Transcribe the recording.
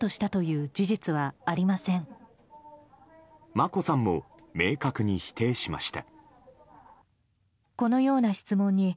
眞子さんも明確に否定しました。